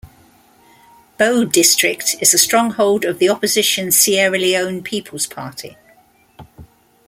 Bo District is a stronghold of the opposition Sierra Leone People's Party.